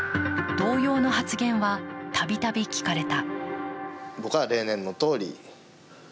同様の発言はたびたび聞かれた。